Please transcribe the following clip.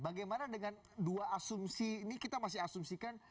bagaimana dengan dua asumsi ini kita masih asumsikan